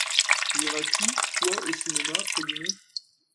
Iras-tu, toi, au cinéma après dîner ?